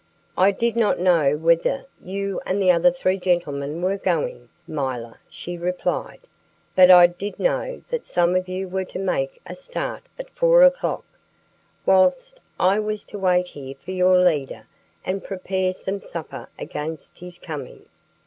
"I did not know whither you and the other three gentlemen were going, milor," she replied; "but I did know that some of you were to make a start at four o'clock, whilst I was to wait here for your leader and prepare some supper against his coming."